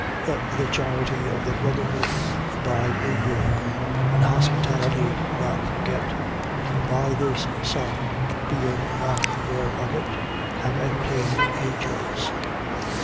13:1. Let the charity of the brotherhood abide in you. 13:2. And hospitality do not forget: for by this some, being not aware of it, have entertained angels.